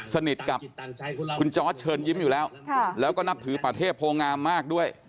สนิทกับคุณจอร์ดเชิญยิ้มอยู่แล้วแล้วก็นับถือป่าเทพโพงามมากด้วย